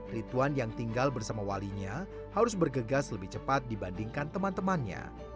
rituan yang tinggal bersama walinya harus bergegas lebih cepat dibandingkan teman temannya